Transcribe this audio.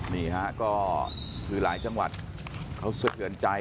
นี่ฮะก็คือหลายจังหวัดเขาสะเทือนใจ